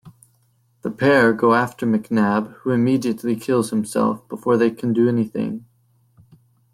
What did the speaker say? The pair go after McNab who immediately kills himself before they can do anything.